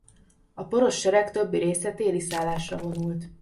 A porosz sereg többi része téli szállásra vonult.